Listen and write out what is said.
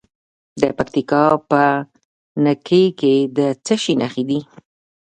د پکتیکا په نکې کې د څه شي نښې دي؟